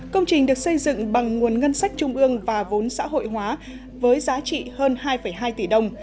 công trình được xây dựng bằng nguồn ngân sách trung ương và vốn xã hội hóa với giá trị hơn hai hai tỷ đồng